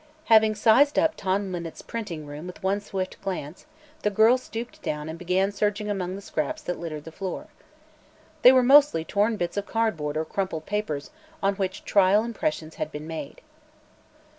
Having "sized up" Tom Linnet's printing room with one swift glance, the girl stooped down and began searching among the scraps that littered the floor. They were mostly torn bits of cardboard or crumpled papers on which trial impressions had been made.